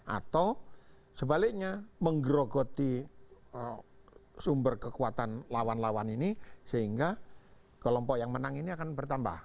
atau sebaliknya menggerogoti sumber kekuatan lawan lawan ini sehingga kelompok yang menang ini akan bertambah